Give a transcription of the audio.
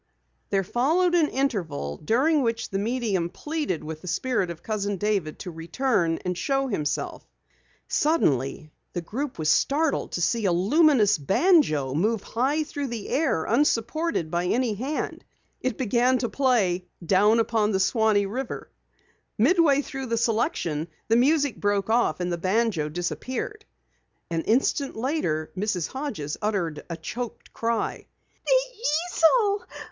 There followed an interval during which the medium pleaded with the Spirit of Cousin David to return and show himself. Suddenly the group was startled to see a luminous banjo move high through the air, unsupported by any hand. It began to play "Down upon the Swanee River." Midway through the selection, the music broke off and the banjo disappeared. An instant later Mrs. Hodges uttered a choked cry. "The easel!